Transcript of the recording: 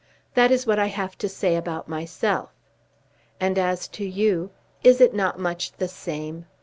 That is what I have to say about myself. And as to you, is it not much the same?